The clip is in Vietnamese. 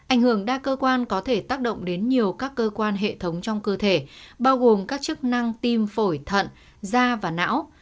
ảnh hưởng đa cơ quan có thể tác động đến nhiều các cơ quan hệ thống trong cơ thể bao gồm các chức năng tim phổi thận da và não